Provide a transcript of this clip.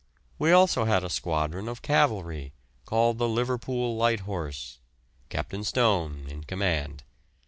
We had also a squadron of cavalry, called the Liverpool Light Horse, Captain Stone in command.